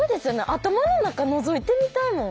頭の中のぞいてみたいもん。